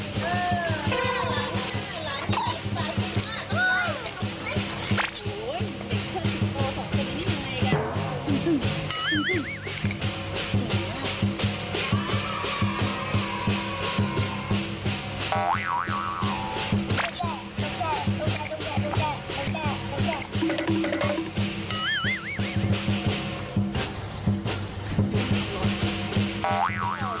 ซึ้น